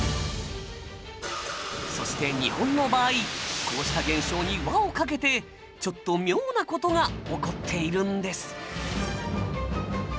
そして日本の場合こうした現象に輪を掛けてちょっと妙な事が起こっているんです。